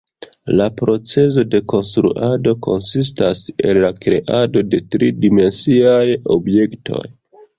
La procezo de konstruado konsistas el la kreado de tri-dimensiaj objektoj.